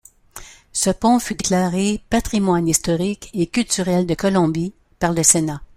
Ce pont fut déclaré 'Patrimoine historique et culturel de Colombie' par le sénat.